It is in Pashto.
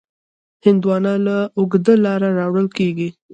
هندوانه له اوږده لاره راوړل کېږي.